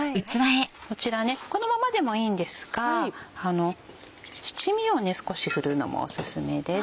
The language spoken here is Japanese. こちらこのままでもいいんですが七味を少し振るのもオススメです